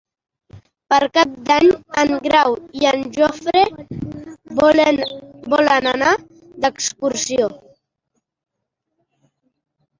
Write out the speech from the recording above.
Per Cap d'Any en Grau i en Jofre volen anar d'excursió.